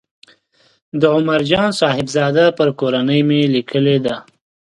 د عمر جان صاحبزاده پر کورنۍ مې لیکلې ده.